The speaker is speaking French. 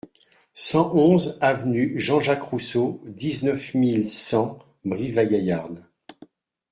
cent onze avenue J Jacques Rousseau, dix-neuf mille cent Brive-la-Gaillarde